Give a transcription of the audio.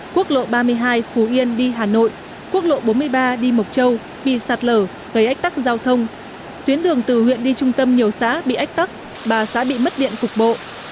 quốc lộ ba mươi hai phú yên đi hà nội quốc lộ bốn mươi ba đi mộc châu bị sạt lở gây ách tắc giao thông tuyến đường từ huyện đi trung tâm nhiều xã bị ách tắc bà xã bị mất điện cục bộ